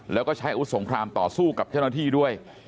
แล้วก็ใช้อาวุธสงครามต่อสู้กับเจ้าหน้าที่ด้วย